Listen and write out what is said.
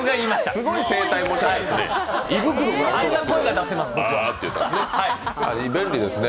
すごい声帯模写ですね。